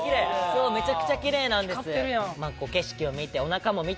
そうめちゃくちゃきれいなんです。